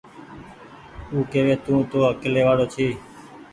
او ڪوي تونٚ تو اڪلي وآڙو ڇي